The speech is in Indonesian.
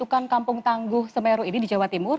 untuk membentukan kampung tangguh semeru ini di jawa timur